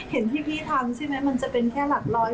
เห็นที่พี่ทำใช่ไหมมันจะเป็นแค่หลักร้อย